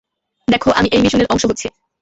দেখো, আমি এই মিশনের অংশ হচ্ছি।